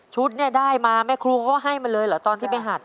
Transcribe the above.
ชุดเนี่ยได้มาแม่ครูเขาให้มาเลยเหรอตอนที่ไปหัด